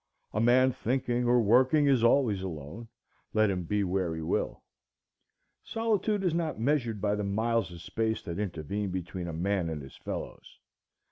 A man thinking or working is always alone, let him be where he will. Solitude is not measured by the miles of space that intervene between a man and his fellows.